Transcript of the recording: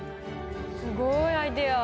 すごいアイデア！